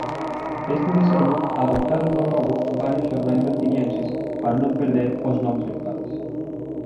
Este deseño adoptárono logo varios xornais londinienses para non perder aos lectores novos.